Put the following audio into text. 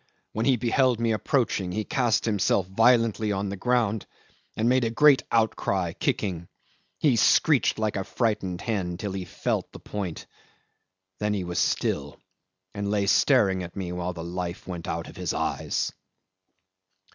"When he beheld me approaching he cast himself violently on the ground and made a great outcry, kicking. He screeched like a frightened hen till he felt the point; then he was still, and lay staring at me while his life went out of his eyes."